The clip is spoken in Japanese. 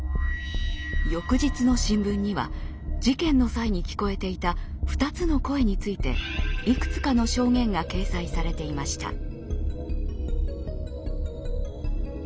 翌日の新聞には事件の際に聞こえていた二つの声についていくつかの証言が掲載されていました。